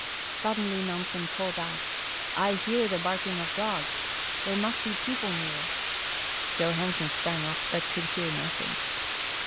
Suddenly Nansen called out, " I hear the barking of dogs ; there must be people near." Johansen sprang up, but could hear nothing.